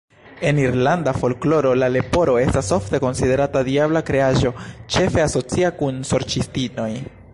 En irlanda folkloro la leporo estas ofte konsiderata diabla kreaĵo, ĉefe asocia kun sorĉistinoj.